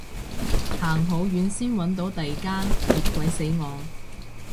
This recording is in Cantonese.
行好遠先搵到第間，熱鬼死我